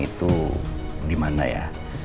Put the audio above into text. itu dimana ya